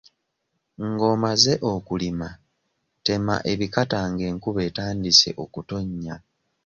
Ng'omaze okulima tema ebikata ng'enkuba etandise okutonnya.